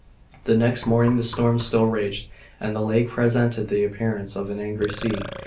The next morning the storm still raged, and the lake presented the appearance of an angry sea.